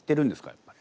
やっぱり。